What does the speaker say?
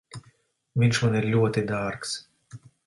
Viņš man ir ļoti dārgs.